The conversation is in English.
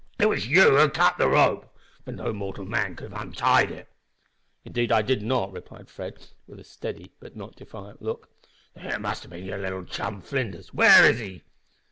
"It was you who cut the rope, for no mortal man could have untied it!" "Indeed I did not!" replied Fred, with a steady but not defiant look. "Then it must have bin your little chum Flinders. Where is he?"